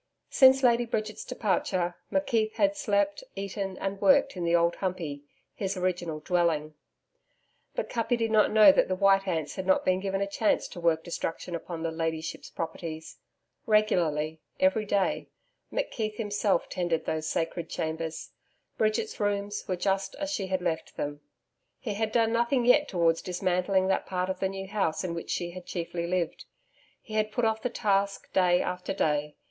Since Lady Bridget's departure, McKeith had slept, eaten and worked in the Old Humpey, his original dwelling. But Kuppi did not know that the white ants had not been given a chance to work destruction upon 'the Ladyship's' properties. Regularly every day, McKeith himself tended those sacred chambers. Bridget's rooms were just as she had left them. He had done nothing yet towards dismantling that part of the New House in which she had chiefly lived. He had put off the task day after day.